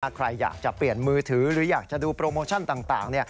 ใครอยากจะเปลี่ยนมือถือหรืออยากจะดูโปรโมชั่นต่าง